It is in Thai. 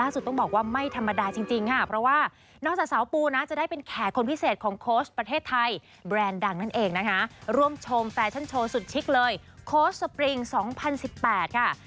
สุดทิศเลยโคสต์สปริง๒๐๑๘ค่ะ